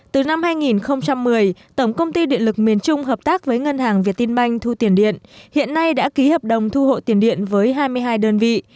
từ năm hai nghìn một mươi tổng công ty điện lực miền trung hợp tác với ngân hàng việt tinh banh thu tiền điện hiện nay đã ký hợp đồng thu hộ tiền điện với hai mươi hai đơn vị